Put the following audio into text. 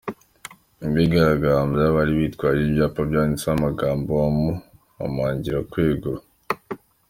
Abigaragambya bari bitwaje ibyapa byanditseho amagambo amuhamagarira kwegura.